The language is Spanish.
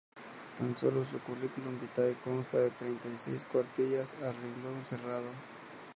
Tan sólo su "curriculum vitae" consta de treinta y seis cuartillas a renglón cerrado.